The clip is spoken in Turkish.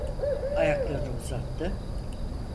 Ayaklarını uzattı.